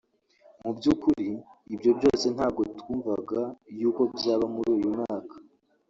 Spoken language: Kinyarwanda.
mu by'ukuri ibyo byose ntabwo twumvaga y’uko byaba muri uyu mwaka